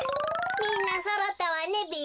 みんなそろったわねべ。